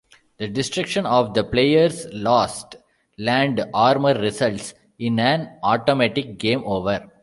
The destruction of the player's last Land-Armor results in an automatic game over.